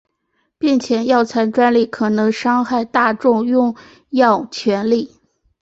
并且药材专利可能伤害大众用药权利。